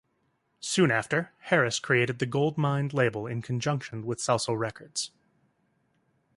Soon after, Harris created the Gold Mind label in conjunction with Salsoul Records.